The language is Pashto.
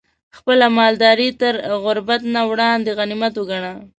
خپله مالداري تر غربت نه وړاندې غنيمت وګڼه